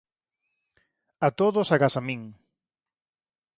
A todos agás a min.